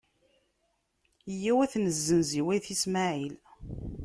Yyaw ad t-nezzenz i wat Ismaɛil.